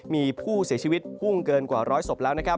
มีผู้เสียชีวิตพุ่งเกินกว่าร้อยศพแล้วนะครับ